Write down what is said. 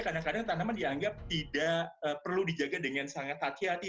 kadang kadang tanaman dianggap tidak perlu dijaga dengan sangat hati hati